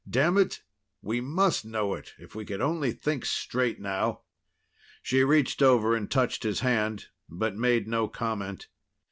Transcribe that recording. Damn it, we must know it if we could only think straight now." She reached over and touched his hand, but made no comment.